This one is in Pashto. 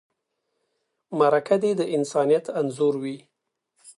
مرکه دې د انسانیت انځور وي.